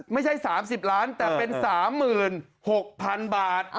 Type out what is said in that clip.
ไม่ใช่๓๐ล้านแต่เป็น๓๖๐๐๐บาท